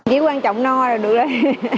chỉ quan trọng no là được đấy